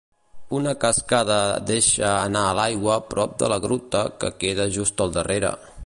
Una cascada deixa anar l'aigua prop de la gruta, que queda just al darrere.